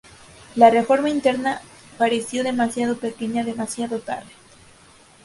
La reforma interna pareció demasiado pequeña, demasiado tarde.